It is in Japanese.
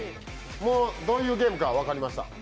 もうどういうゲームかは分かりました。